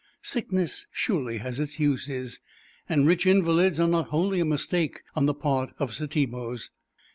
Sickness surely has its uses; and rich invalids are not wholly a mistake on the part of Setebos.